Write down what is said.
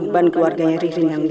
ban keluarganya ririn yang miskin